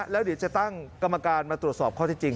แล้วเดี๋ยวจะตั้งกรรมการมาตรวจสอบข้อที่จริง